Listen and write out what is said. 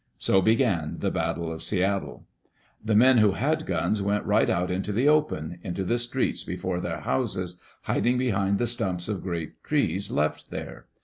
So began the battle of Seattle. The men who had guns went right out into the open — Into the streets before their houses, hiding behind the stumps of great trees left there.